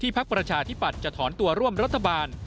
พักประชาธิปัตย์จะถอนตัวร่วมรัฐบาล